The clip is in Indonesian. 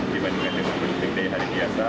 dibandingkan dengan tempat booking dari hari biasa